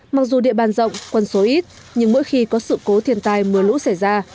mặc dù địa bàn rộng quân số ít nhưng mỗi khi có sự cố thiên tai mưa lũ xảy ra